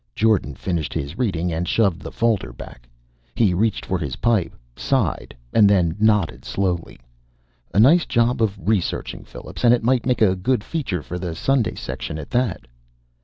_ Jordan finished his reading and shoved the folder back. He reached for his pipe, sighed, and then nodded slowly. "A nice job of researching, Phillips. And it might make a good feature for the Sunday section, at that."